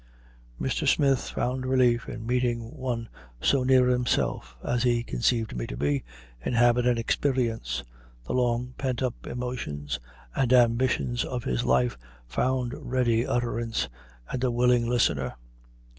Mr. Smith found relief in meeting one so near himself, as he conceived me to be, in habit and experience. The long pent up emotions and ambitions of his life found ready utterance, and a willing listener.